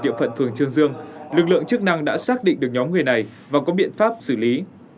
địa phận phường trương dương lực lượng chức năng đã xác định được nhóm người này và có biện pháp xử lý